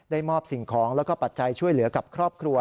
มอบสิ่งของแล้วก็ปัจจัยช่วยเหลือกับครอบครัว